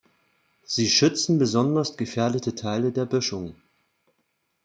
Sie schützen besonders gefährdete Teile der Böschung.